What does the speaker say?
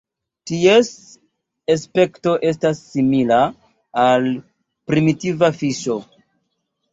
Ties aspekto estas simila al "primitiva fiŝo".